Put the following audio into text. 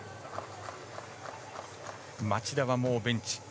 町田はもうベンチ。